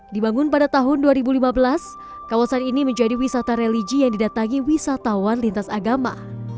dibangun pada tahun dua ribu lima belas kawasan ini menjadi wisata religi yang didatangi wisatawan lintas agama